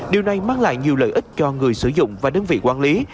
điều này mang lại nhiều lợi ích cho người sử dụng và đơn vị quản lý